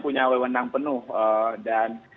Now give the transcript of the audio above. punya wewenang penuh dan